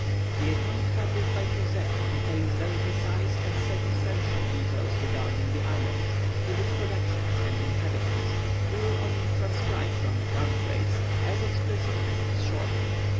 The account published by Crozet contains very precise and circumstantial details regarding this island, with its productions and inhabitants. We will only transcribe from it one phrase, as explicit as it is short.